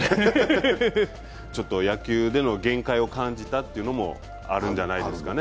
ちょっと野球での限界を感じたというのもあるんじゃないですかね。